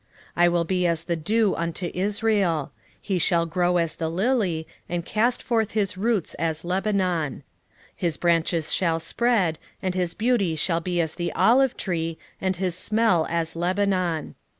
14:5 I will be as the dew unto Israel: he shall grow as the lily, and cast forth his roots as Lebanon. 14:6 His branches shall spread, and his beauty shall be as the olive tree, and his smell as Lebanon.